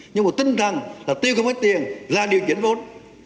nhưng một tinh thần là tiêu không hết tiền ra điều chỉnh vốn